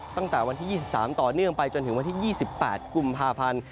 ตั้งแต่วันที่๒๓ต่อเนื่องไปจนถึงวันที่๒๘กุมภาพันธ์